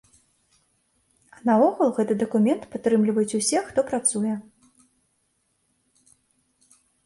А наогул гэты дакумент падтрымліваюць усе, хто працуе.